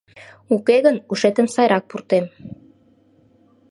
Уке гын ушетым сайрак пуртем.